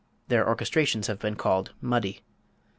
Their orchestration has been called "muddy."